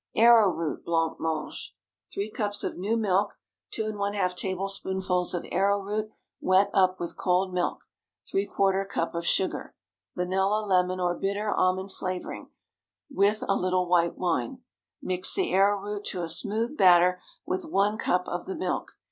ARROWROOT BLANC MANGE. ✠ 3 cups of new milk. 2½ tablespoonfuls of arrowroot, wet up with cold milk. ¾ cup of sugar. Vanilla, lemon, or bitter almond flavoring, with a little white wine. Mix the arrowroot to a smooth batter with one cup of the milk.